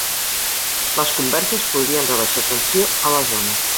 Les converses podrien rebaixar tensió a la zona